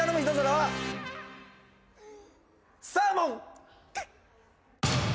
サーモン！